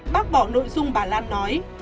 bác bỏ nội dung bà lan nói